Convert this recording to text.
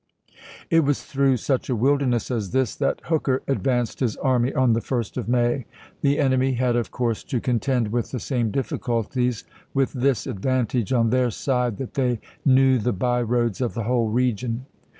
It was through such a wilderness as this that Hooker advanced his army on the 1st of May. The enemy had of course to contend with the same difficulties, with this advantage on their side that they knew the by roads of the whole region.